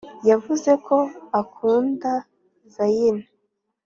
yavuze ko akunda zayn